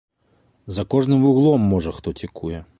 За кожным вуглом, можа, хто цікуе.